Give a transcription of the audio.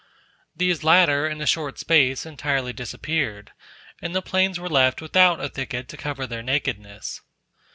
These latter in a short space entirely disappeared, and the plains were left without a thicket to cover their nakedness.